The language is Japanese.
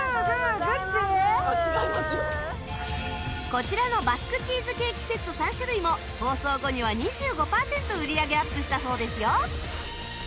こちらのバスクチーズケーキセット３種類も放送後には２５パーセント売り上げアップしたそうですよ